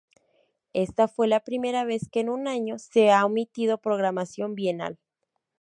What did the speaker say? Esta fue la primera vez que un año se ha omitido programación bienal.